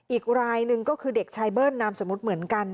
อีกรายหนึ่งก็คือเด็กชายเบิ้ลนามสมมุติเหมือนกัน